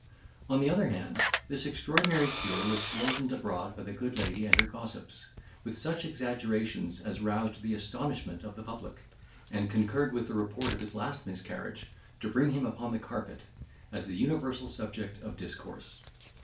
On the other hand, this extraordinary cure was blazoned abroad by the good lady and her gossips, with such exaggerations as roused the astonishment of the public, and concurred with the report of his last miscarriage to bring him upon the carpet, as the universal subject of discourse.